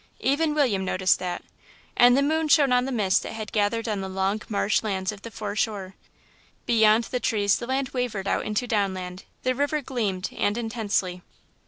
Even William noticed that. And the moon shone on the mist that had gathered on the long marsh lands of the foreshore. Beyond the trees the land wavered out into down land, the river gleamed and intensely.